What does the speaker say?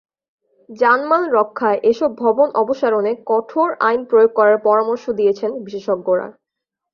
জানমাল রক্ষায় এসব ভবন অপসারণে কঠোর আইন প্রয়োগ করার পরামর্শ দিয়েছেন বিশেষজ্ঞরা।